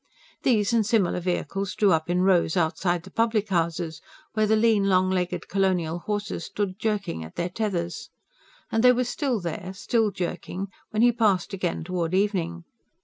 These and similar vehicles drew up in rows outside the public houses, where the lean, long legged colonial horses stood jerking at their tethers; and they were still there, still jerking, when he passed again toward evening.